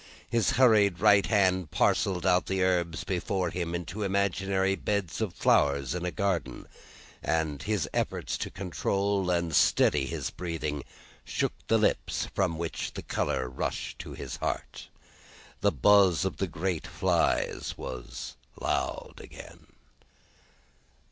His hurried right hand parcelled out the herbs before him into imaginary beds of flowers in a garden; and his efforts to control and steady his breathing shook the lips from which the colour rushed to his heart. The buzz of the great flies was loud again.